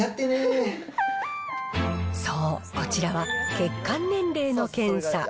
そう、こちらは血管年齢の検査。